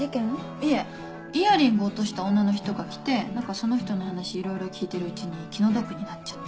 いえイヤリング落とした女の人が来てその人の話いろいろ聞いてるうちに気の毒になっちゃって。